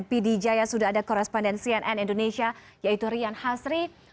pdijaya sudah ada koresponden cnn indonesia yaitu rian hasri